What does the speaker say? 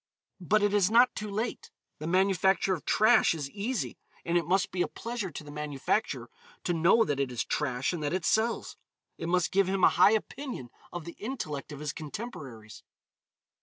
But it is not too late. The manufacture of trash is easy, and it must be a pleasure to the manufacturer to know that it is trash and that it sells. It must give him a high opinion of the intellect of his contemporaries.